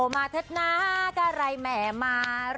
อมาเถอะนะก็ไหลเมะม่า